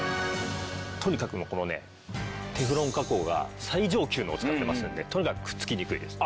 とにかくこのねテフロン加工が最上級のを使ってますんでとにかくくっつきにくいです。